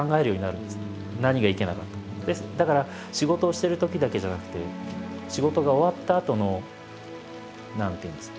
だから仕事をしてるときだけじゃなくて仕事が終わったあとの何ていうんですか。